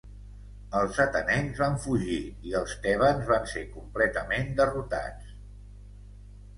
Els atenencs van fugir i els tebans van ser completament derrotats.